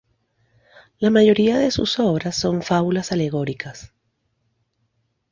La mayoría de sus obras son fábulas alegóricas.